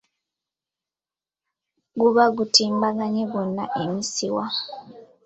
Guba gutimbaganye gwonna emisiwa.